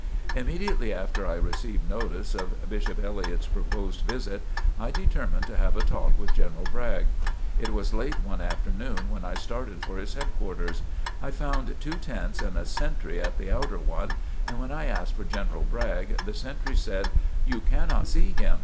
Immediately after I received notice of Bishop Elliott's proposed visit, I determined to have a talk with General Bragg. It was late one afternoon when I started for his headquarters. I found two tents and a sentry at the outer one, and when I asked for General Bragg the sentry said: "You cannot see him.